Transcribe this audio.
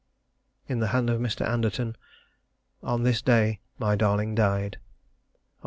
In the hand of Mr. Anderton. This day my darling died. Oct.